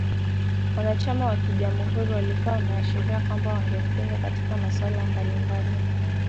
Wanachama wa Kijamhuri walikuwa wameashiria kwamba wangempinga katika masuala mbalimbali